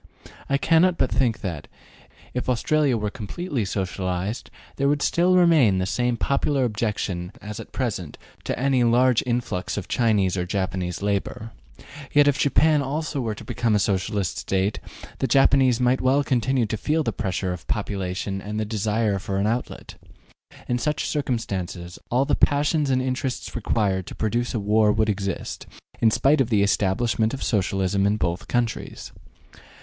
I cannot but think that, if Australia were completely socialized, there would still remain the same popular objection as at present to any large influx of Chinese or Japanese labor. Yet if Japan also were to become a Socialist State, the Japanese might well continue to feel the pressure of population and the desire for an outlet. In such circumstances, all the passions and interests required to produce a war would exist, in spite of the establishment of Socialism in both countries.